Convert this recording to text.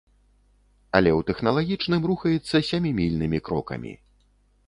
Але ў тэхналагічным рухаецца сямімільнымі крокамі.